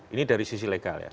ini dari sisi legal ya